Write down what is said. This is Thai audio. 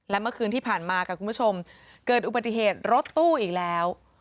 และเมื่อคืนที่ผ่านมาค่ะคุณผู้ชมเกิดอุบัติเหตุรถตู้อีกแล้ว